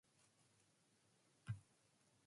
An amenable man who allows her to stay at his home.